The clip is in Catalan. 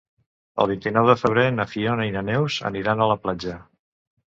El vint-i-nou de febrer na Fiona i na Neus aniran a la platja.